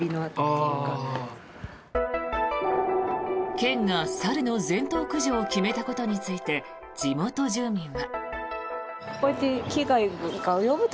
県が猿の全頭駆除を決めたことについて地元住民は。